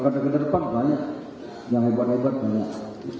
kalau kata kata depan banyak yang hebat hebat banyak